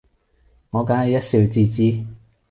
我梗係一笑置之